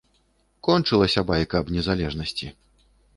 Кончылася байка аб незалежнасці.